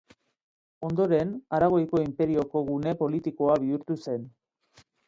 Ondoren, Aragoiko inperioko gune politikoa bihurtu zen.